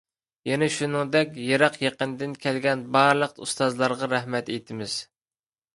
يەنە شۇنىڭدەك، يىراق-يېقىندىن كەلگەن بارلىق ئۇستازلارغا رەھمەت ئېيتىمىز.